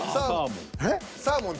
サーモン。